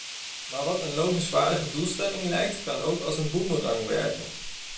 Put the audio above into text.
Maar wat een lovenswaardige doelstelling lijkt kan ook als een boemerang werken.